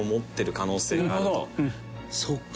そっか。